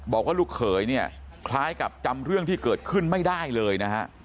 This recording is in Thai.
บอกว่าลูกเขยเนี่ยคล้ายกับจำเรื่องที่เกิดขึ้นไม่ได้เลยนะฮะ